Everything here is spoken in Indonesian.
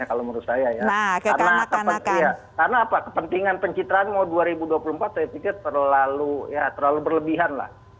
karena kepentingan pencitraan dua ribu dua puluh empat saya pikir terlalu berlebihan